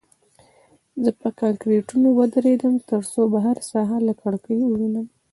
زه په کانکریټو ودرېدم ترڅو بهر ساحه له کړکۍ ووینم